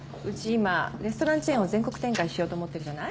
今レストランチェーンを全国展開しようと思ってるじゃない。